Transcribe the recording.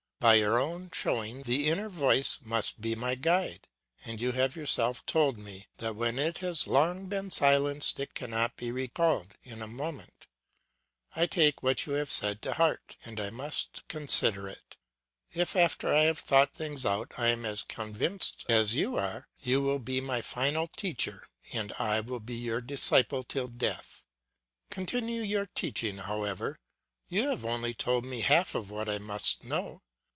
By your own showing, the inner voice must be my guide, and you have yourself told me that when it has long been silenced it cannot be recalled in a moment. I take what you have said to heart, and I must consider it. If after I have thought things out, I am as convinced as you are, you will be my final teacher, and I will be your disciple till death. Continue your teaching however; you have only told me half what I must know.